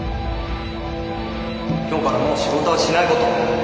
今日からもう仕事はしないこと。